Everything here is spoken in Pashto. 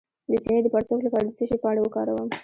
د سینې د پړسوب لپاره د څه شي پاڼې وکاروم؟